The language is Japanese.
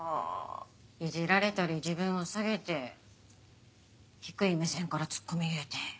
いじられたり自分を下げて低い目線からツッコミ入れて。